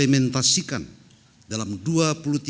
e pertimbangan kemah